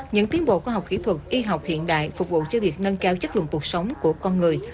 những tiến bộ khoa học kỹ thuật y học hiện đại phục vụ cho việc nâng cao chất lượng cuộc sống của con người